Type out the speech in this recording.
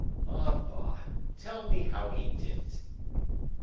"Ah, bah! tell me how he did it."